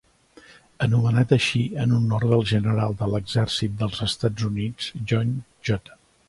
Anomenat així en honor del General de l'Exèrcit dels Estats Units John J.